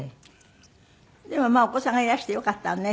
でもまあお子さんがいらしてよかったわね